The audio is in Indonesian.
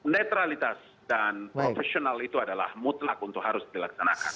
netralitas dan profesional itu adalah mutlak untuk harus dilaksanakan